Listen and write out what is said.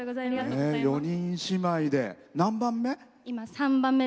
４人姉妹で、何番目？